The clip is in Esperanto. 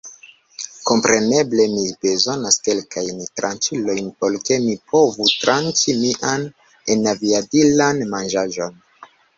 Kompreneble mi bezonas kelkajn tranĉilojn, por ke mi povu tranĉi mian enaviadilan manĝaĵon.